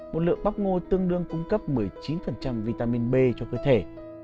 một lượng park ngô tương đương cung cấp một mươi chín vitamin b cho cơ thể